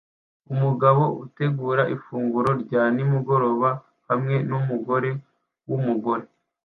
Umugabo utegura ifunguro rya nimugoroba hamwe numugore wumugore